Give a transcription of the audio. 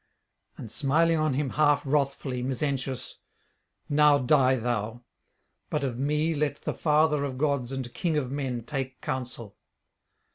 And smiling on him half wrathfully, Mezentius: 'Now die thou. But of me let the father of gods and king of men take counsel.'